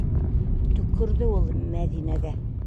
Төкөрҙө ул Мәҙинәгә!